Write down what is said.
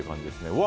うわ！